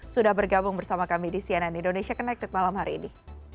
sudah bergabung bersama kami di cnn indonesia connected malam hari ini